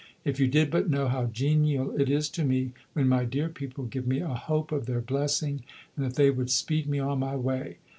If you did but know how genial it is to me, when my dear people give me a hope of their blessing and that they would speed me on my way!